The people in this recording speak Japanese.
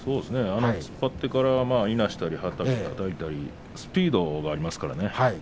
突っ張ってからいなしたりはたいたりスピードがありますからね。